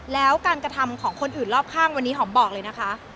แล้วการกระทำของคนอื่นรอบข้างวันนี้หอมบอกเลยนะคะ